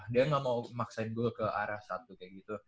dia gak mau maksain gue ke arah satu kayak gitu